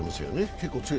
結構強い？